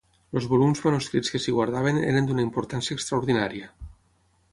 Els volums manuscrits que s’hi guardaven eren d’una importància extraordinària.